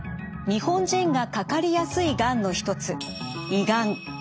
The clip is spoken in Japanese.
日本人がかかりやすいがんの一つ胃がん。